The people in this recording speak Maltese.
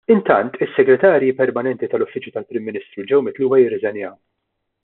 Intant, is-Segretarji Permanenti tal-Uffiċċju tal-Prim Ministru ġew mitluba jirriżenjaw.